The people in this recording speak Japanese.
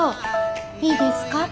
いいですか？